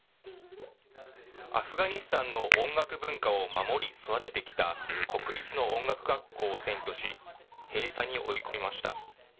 アフガニスタンの音楽文化を守り、育ててきた国立の音楽学校を占拠し、閉鎖に追い込みました。